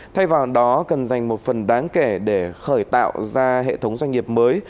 thay vào đó cần dành một phần đáng kể để khởi tạo ra hệ thống doanh nghiệp mới